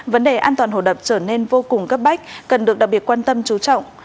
vấn đề an toàn hồ đập trở nên vô cùng cấp bách cần được đặc biệt quan tâm chú trọng